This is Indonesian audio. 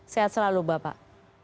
sehat selalu bapak